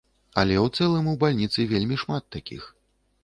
Але ў цэлым у бальніцы вельмі шмат такіх.